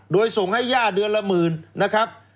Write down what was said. โดยส่งให้ญาติเดือนละ๑๐๐๐๐บาท